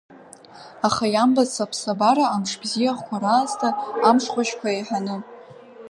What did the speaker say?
Аха иамбац аԥсабара амш бзиахәқәа раасҭа амш хәашьқәа еиҳаны.